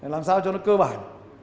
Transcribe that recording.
làm sao cho nó cơ bản